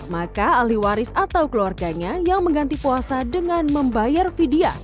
maka ahli waris atau keluarganya yang mengganti puasa dengan membayar vidya